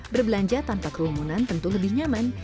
berbelanja tanpa kerumunan tentu lebih nyaman